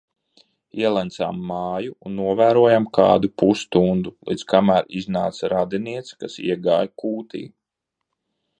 Ielencām māju un novērojām kādu pusstundu, līdz kamēr iznāca radiniece, kas iegāja kūti.